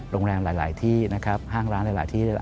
โรงแรมหลายที่ห้างร้านหลายที่